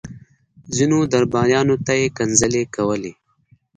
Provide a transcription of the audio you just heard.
ځينو درباريانو ته يې کنځلې کولې.